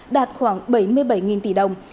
đạt khoảng bảy mươi bảy tỷ đồng